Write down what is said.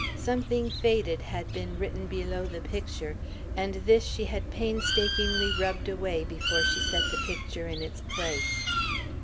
Something faded had been written below the picture, and this she had painstakingly rubbed away before she set the picture in its place.